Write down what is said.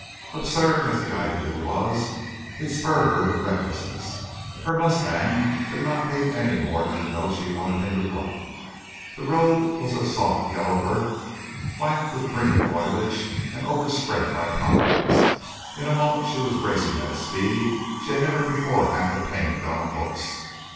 Absurd as the idea was, it spurred her to recklessness. Her mustang did not need any more than to know she wanted him to run. The road was of soft yellow earth flanked with green foliage and overspread by pines. In a moment she was racing at a speed she had never before half attained on a horse.